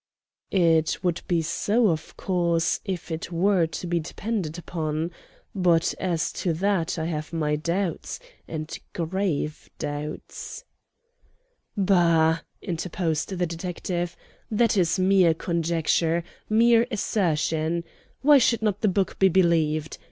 "It would be so, of course, if it were to be depended upon. But as to that I have my doubts, and grave doubts." "Bah!" interposed the detective; "that is mere conjecture, mere assertion. Why should not the book be believed?